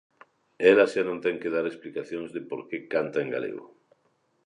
Ela xa non ten que dar explicacións de por que canta en galego.